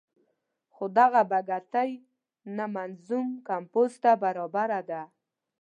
خو دغه بګتۍ نه منظوم کمپوز ته برابره ده.